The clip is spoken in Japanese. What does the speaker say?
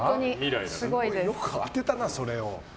よく当てたな、それを。